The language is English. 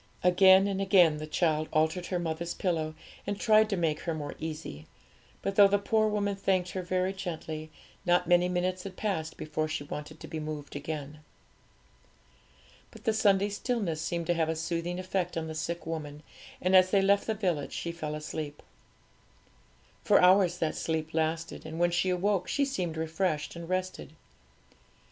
Again and again the child altered her mother's pillow, and tried to make her more easy; but though the poor woman thanked her very gently, not many minutes had passed before she wanted to be moved again. But the Sunday stillness seemed to have a soothing effect on the sick woman; and as they left the village she fell asleep. For hours that sleep lasted, and when she awoke she seemed refreshed and rested.